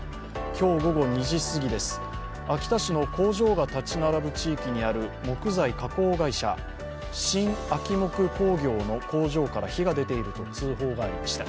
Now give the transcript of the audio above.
今日午後２時すぎ、秋田市の工場が立ち並ぶ地域にある木材加工会社、新秋木工業の工場から火が出ていると通報がありました。